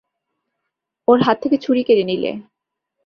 ওর হাত থেকে ছুরি কেড়ে নিলে।